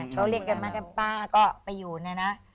เขาเลี้ยงกันมากับป้าก็ไปอยู่นะนะ